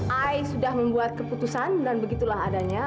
ai sudah membuat keputusan dan begitulah adanya